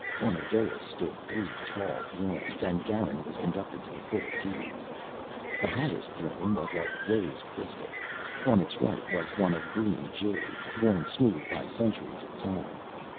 On a dais stood three tall thrones and Garin was conducted to the foot of these. The highest throne was of rose crystal. On its right was one of green jade, worn smooth by centuries of time.